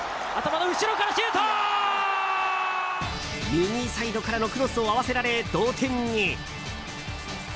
右サイドからのクロスに合わせられ、同点に。